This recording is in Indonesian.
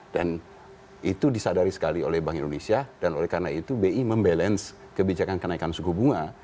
dan itu disadari sekali oleh bank indonesia dan oleh karena itu bi membalance kebijakan kenaikan suku bunga